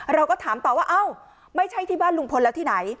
เราก็ถามต่อว่าเอ้าไม่ใช่ที่บ้านลุงพลแล้วที่ไหน